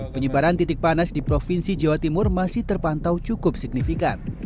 penyebaran titik panas di provinsi jawa timur masih terpantau cukup signifikan